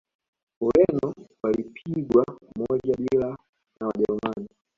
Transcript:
ureno walipigwa moja bila na wajerumani